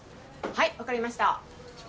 はい分かりました。